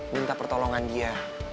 minta pertolongan dia